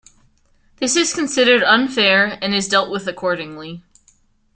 This is considered unfair and is dealt with accordingly.